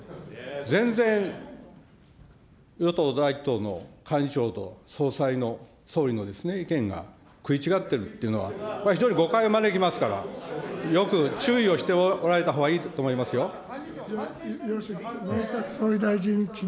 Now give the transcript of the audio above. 全然与党第一党の幹事長と総裁の、総理の意見が食い違っているっていうのは、これは非常に誤解を招きますから、よく注意をしておられた方がいいと思いますよ。